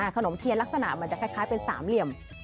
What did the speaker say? ขนมเทียนลักษณะมันจะคล้ายเป็นสามเหลี่ยม